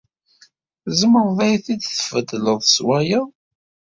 Tzemreḍ ad t-id-tbeddleḍ s wayeḍ?